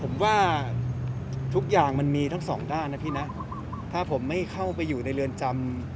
ผมว่าทุกอย่างมันมีทั้งสองด้านนะพี่นะถ้าผมไม่เข้าไปอยู่ในเรือนจำ